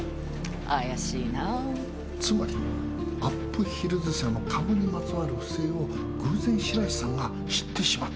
怪しいなあつまりアップヒルズ社の株にまつわる不正を偶然白石さんが知ってしまった。